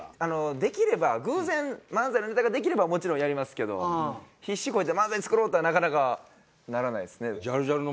できれば偶然漫才のネタができればもちろんやりますけど必死こいて漫才作ろうとはなかなかならないですね。